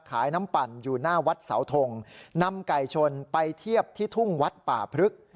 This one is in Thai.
ขายน้ำปั่นอยู่หน้าวัดเสาทงนำไก่ชนไปเทียบที่ทุ่งวัดป่าพลึก